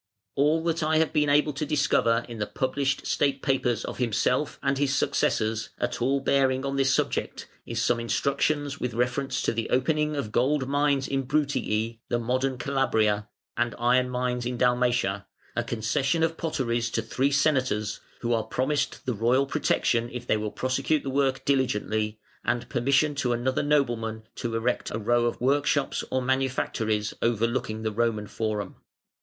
All that I have been able to discover in the published state papers of himself and his successors at all bearing on this subject is some instructions with reference to the opening of gold mines in Bruttii (the modern Calabria), and iron mines in Dalmatia, a concession of potteries to three senators, who are promised the royal protection if they will prosecute the work diligently, and permission to another nobleman to erect a row of workshops or manufactories overlooking the Roman Forum.